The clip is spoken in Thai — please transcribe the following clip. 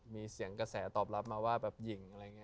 มีเสียงกระแสตอบลับว่าขอหญิง